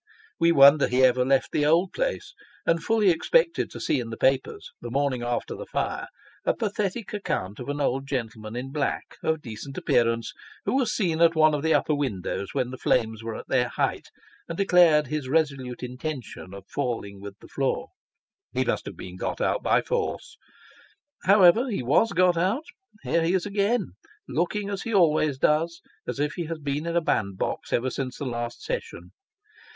We wonder he ever left the old place, and fully expected to see in the papers, the morning after the fire, a pathetic account of an old gentleman in black, of decent appearance, who was seen at one of the upper windows when the flames were at their height, and declared his resolute intention of falling with the floor. He must have been got out by force. However, he was got out here he is again, looking as he always does, as if he had been in a bandbox ever since the last session.